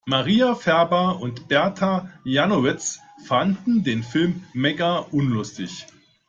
Maria Färber und Berta Janowitz fanden den Film mega unlustig.